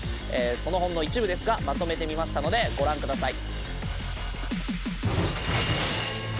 そのほんの一部ですがまとめてみましたのでご覧下さい。